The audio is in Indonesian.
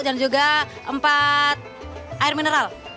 dan juga empat air mineral